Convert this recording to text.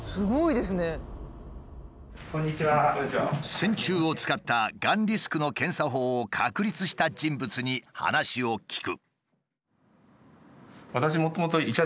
線虫を使ったがんリスクの検査法を確立した人物に話を聞く。